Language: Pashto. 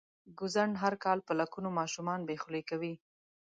ګوزڼ هر کال په لکونو ماشومان بې خولې کوي.